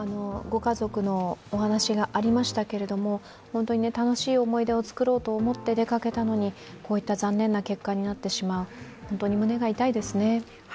ご家族のお話がありましたけれども、本当に楽しい思い出を作ろうと思って出かけたのにこういった残念な結果になってしまう本当に胸が痛いですね。